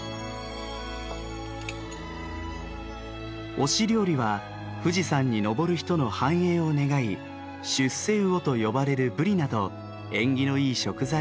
御師料理は富士山に登る人の繁栄を願い「出世魚」と呼ばれるブリなど縁起のいい食材が使われます。